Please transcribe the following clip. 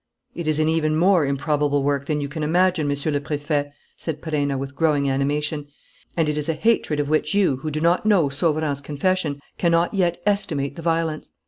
"It is an even more improbable work than you can imagine, Monsieur le Préfet," said Perenna, with growing animation, "and it is a hatred of which you, who do not know Sauverand's confession, cannot yet estimate the violence.